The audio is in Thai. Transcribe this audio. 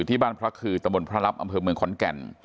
ที่บ้านพระคือตะบนพระรับอำเภอเมืองขอนแก่น